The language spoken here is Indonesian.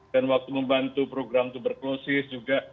dan waktu membantu program tuberculosis juga